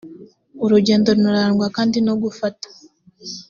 urugendo runarangwa kandi no gufata.